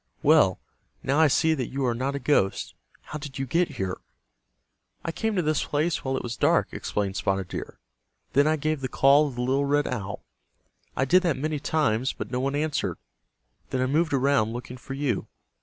"Well, now I see that you are not a ghost. How did you get here?" "I came to this place while it was dark," explained Spotted Deer. "Then I gave the call of the little red owl. I did that many times, but no one answered. Then I moved around looking for you.